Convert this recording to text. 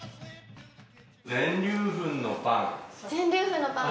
全粒粉のパン。